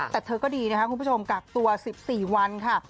แต่เธอก็ดีนะคะคุณผู้ชมกักตัว๑๔วันค่ะ